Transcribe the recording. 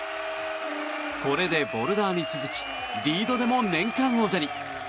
これでボルダーに続きリードでも年間王者に。